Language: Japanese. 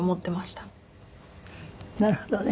なるほどね。